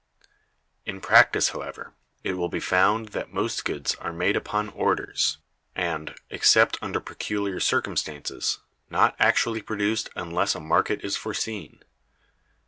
In practice, however, it will be found that most goods are made upon "orders," and, except under peculiar circumstances, not actually produced unless a market is foreseen.